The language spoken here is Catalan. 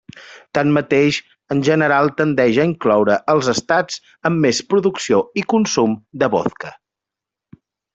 Tanmateix, en general tendeix a incloure els estats amb més producció i consum de vodka.